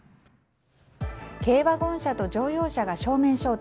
軽ワゴン車と乗用車が正面衝突。